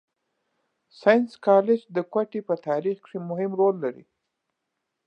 ساینس کالج د کوټي په تارېخ کښي مهم رول لري.